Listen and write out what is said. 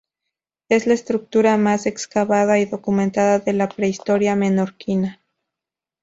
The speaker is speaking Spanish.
Es la estructura más excavada y documentada de la prehistoria menorquina.